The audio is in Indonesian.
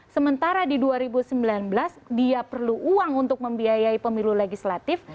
sementara di dua ribu sembilan belas dia perlu uang untuk membiayai pemilu legislatif